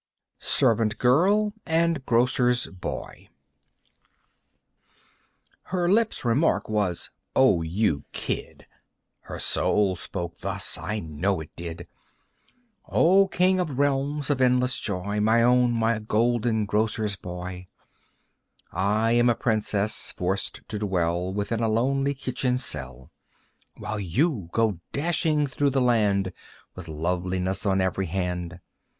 Servant Girl and Grocer's Boy Her lips' remark was: "Oh, you kid!" Her soul spoke thus (I know it did): "O king of realms of endless joy, My own, my golden grocer's boy, I am a princess forced to dwell Within a lonely kitchen cell, While you go dashing through the land With loveliness on every hand.